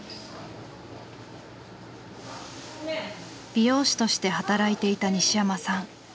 美容師として働いていた西山さん。